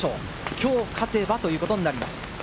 今日勝てばということになります。